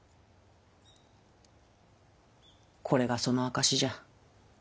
これがその証しじゃ。